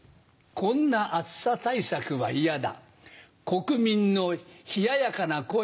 こんな暑さ対策は嫌だ。